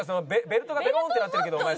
ベルトがべろーんってなってるけどお前